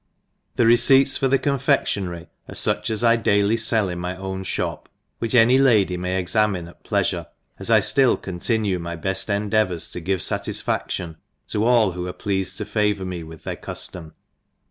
The receijpts for the confcdionary are fuch as I daily fell in my own (hop, which any Lady may examine at pkafure, as I ilill continue my beft endeavours to give iatisfadtion to all who are pleafed to favour me with their cuflom.